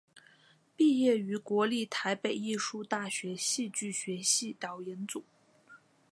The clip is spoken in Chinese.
毕业于国立台北艺术大学戏剧学系导演组。